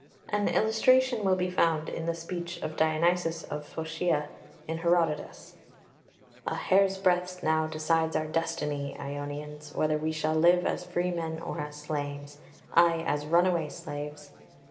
An illustration will be found in the speech of Dionysius of Phocaea in Herodotus: "A hair's breadth now decides our destiny, Ionians, whether we shall live as freemen or as slaves ay, as runaway slaves.